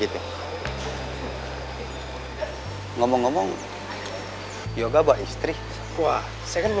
kan sama nambel